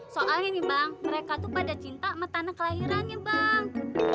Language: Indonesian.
soalnya nih bang mereka tuh pada cinta sama tanah kelahirannya bang